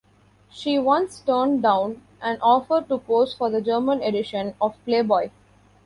She once turned down an offer to pose for the German edition of "Playboy".